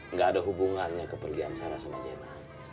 nggak ada hubungannya kepergian sarah sama jena